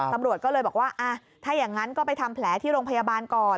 ตำรวจก็เลยบอกว่าถ้าอย่างนั้นก็ไปทำแผลที่โรงพยาบาลก่อน